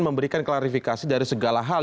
memberikan klarifikasi dari segala hal